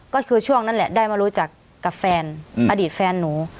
ก็คือช่วงนั้นแหละได้มารู้จักกับแฟนอดีตแฟนหนู